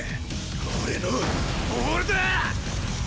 俺のボールだ！